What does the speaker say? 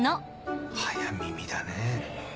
早耳だね。